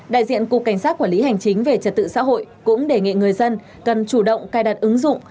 đại diện cục cảnh sát quản lý hành chính về trật tự xã hội cũng đề nghị người dân cần chủ động cài đặt ứng dụng